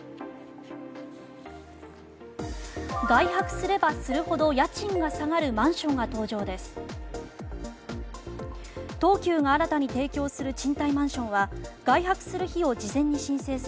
外泊すればするほど家賃が下がるマンションが登場です。